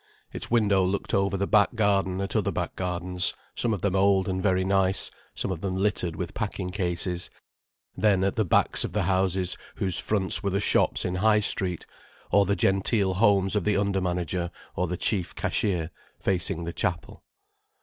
Its window looked over the back garden at other back gardens, some of them old and very nice, some of them littered with packing cases, then at the backs of the houses whose fronts were the shops in High Street, or the genteel homes of the under manager or the chief cashier, facing the chapel.